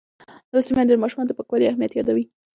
لوستې میندې د ماشومانو د پاکوالي اهمیت یادوي.